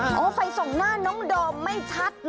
ไฟดับนะคะอ๋อไฟส่งหน้าน้องดอมไม่ชัดเหรอ